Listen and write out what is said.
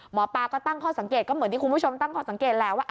หมอปลาก็ตั้งข้อสังเกตก็เหมือนที่คุณผู้ชมตั้งข้อสังเกตแหละว่า